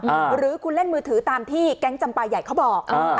หรือคุณเล่นมือถือตามที่แก๊งจำปลาใหญ่เขาบอกอ่า